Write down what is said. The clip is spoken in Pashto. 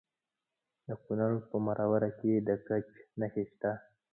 د کونړ په مروره کې د ګچ نښې شته.